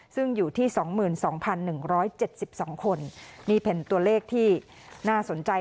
ซึ่งอยู่ที่สองหมื่นสองพันหนึ่งร้อยเจ็ดสิบสองคนนี่เป็นตัวเลขที่น่าสนใจ